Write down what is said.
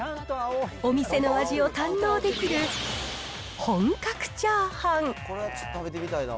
お店の味を堪能できる本格チャーハン。